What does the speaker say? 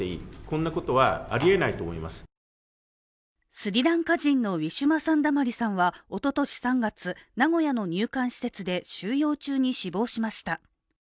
スリランカ人のウィシュマ・サンダマリさんはおととし３月、名古屋の入管施設で収容中に死亡しました。